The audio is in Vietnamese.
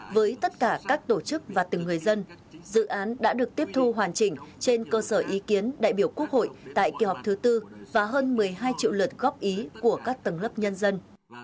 với tất cả các tổ chức và từng người dân dự án đã được tiếp thu hoàn chỉnh trên cơ sở ý kiến đại biểu quốc hội tại kỳ họp thứ tư và hơn một mươi hai triệu lượt góp ý của các tầng lớp nhân dân